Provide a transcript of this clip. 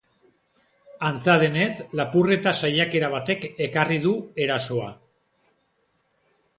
Antza denez, lapurreta saiakera batek ekarri du erasoa.